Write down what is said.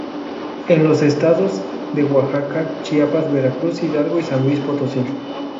En los estados de Oaxaca, Chiapas, Veracruz, Hidalgo y San Luis Potosí.